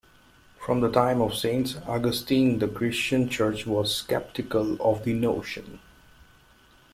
From the time of Saint Augustine, the Christian church was skeptical of the notion.